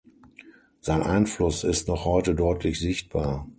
Sein Einfluss ist noch heute deutlich sichtbar.